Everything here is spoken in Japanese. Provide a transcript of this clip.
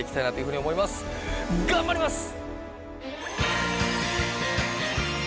頑張ります！